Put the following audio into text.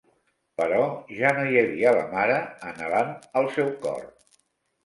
Però ja no hi havia la mare anhelant al seu cor.